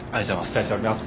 期待しております。